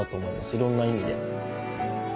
いろんな意味で。